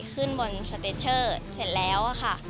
ขึ้นบนสติบโชคเสร็จแล้ว